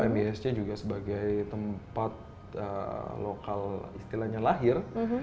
misc juga sebagai tempat lokal istilahnya lahir